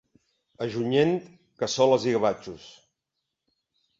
A Junyent, cassoles i gavatxos.